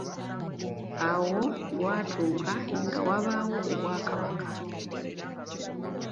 Awo lwatuuka nga wabaawo obwakabaka.